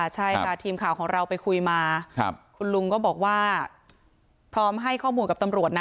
ใช่ค่ะทีมข่าวของเราไปคุยมาคุณลุงก็บอกว่าพร้อมให้ข้อมูลกับตำรวจนะ